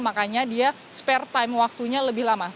makanya dia spare time waktunya lebih lama